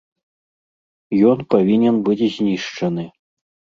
Ён павінен быць знішчаны.